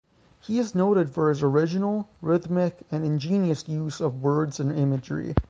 He is noted for his original, rhythmic and ingenious use of words and imagery.